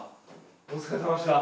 お疲れさまでした！